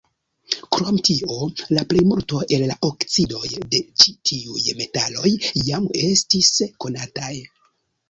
Krom tio la plejmulto el la oksidoj de ĉi-tiuj metaloj jam estis konataj.